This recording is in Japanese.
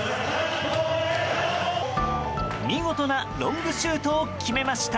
見事なロングシュートを決めました。